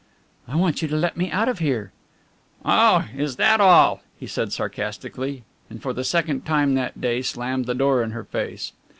"I want you to let me out of here." "Oh, is that all?" he said sarcastically, and for the second time that day slammed the door in her face.